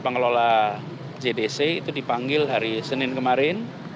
pengelola jdc itu dipanggil hari senin kemarin